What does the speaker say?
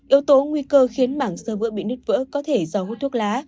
yếu tố nguy cơ khiến mảng sơ vữa bị nứt vỡ có thể do hút thuốc lá